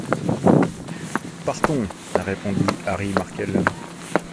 Partons », répondit Harry Markel.